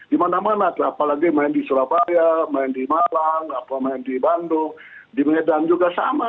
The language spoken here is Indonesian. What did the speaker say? di mana mana apalagi main di surabaya main di malang di bandung di medan juga sama